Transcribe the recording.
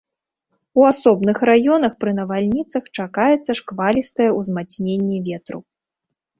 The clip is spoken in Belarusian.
У асобных раёнах пры навальніцах чакаецца шквалістае ўзмацненне ветру.